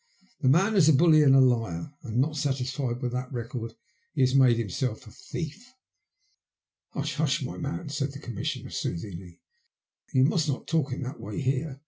The man is a bully and a liar, and not satisfied with that record, he has made himself a thief." Hush, hush, my man," said the Commissioner, soothingly. You must not talk in that way here.